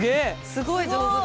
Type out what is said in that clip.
すごい上手です。